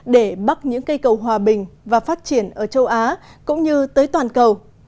để bắt những cây cầu hòa bình và phát triển ở châu á cũng như tới toàn cầu